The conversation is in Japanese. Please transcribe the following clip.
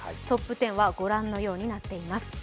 トップ１０は御覧のようになっています。